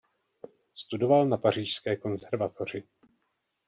Studoval na Pařížské konzervatoři.